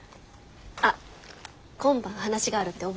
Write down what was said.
あっ今晩話があるって覚えてた？